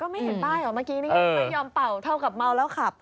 ไม่เห็นป้ายเหรอเมื่อกี้นี่ยังไม่ยอมเป่าเท่ากับเมาแล้วขับ